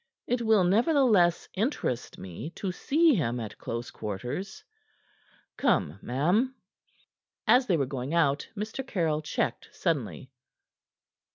It will, nevertheless, interest me to see him at close quarters. Come, ma'am." As they were going out, Mr. Caryll checked suddenly.